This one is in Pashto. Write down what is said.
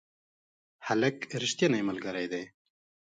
هلک رښتینی ملګری دی.